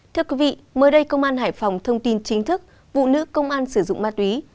thưa quý vị mới đây công an hải phòng thông tin chính thức vụ nữ công an sử dụng ma túy